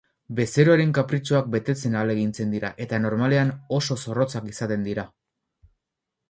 Bezeroaren kapritxoak betetzen ahalegintzen dira eta normalean oso zorrotzak izaten dira.